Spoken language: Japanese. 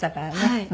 はい。